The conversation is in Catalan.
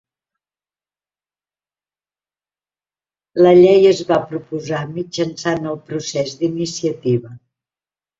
La llei es va proposar mitjançant el procés d'iniciativa.